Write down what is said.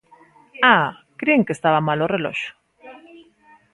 ¡Ah!, crin que estaba mal o reloxo.